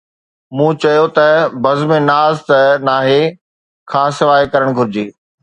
مون چيو ته، ”بزم ناز ته ”تاهي“ کان سواءِ ڪرڻ گهرجي.